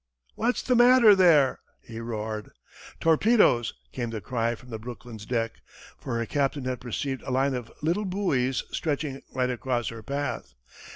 "What's the matter there?" he roared. "Torpedoes!" came the cry from the Brooklyn's deck, for her captain had perceived a line of little buoys stretching right across her path.